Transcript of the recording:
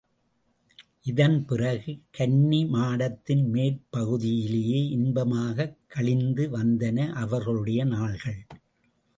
இதன் பிறகு கன்னிமாடத்தின் மேற்பகுதிலேயே இன்பமாகக் கழிந்து வந்தன அவர்களுடைய நாள்கள்.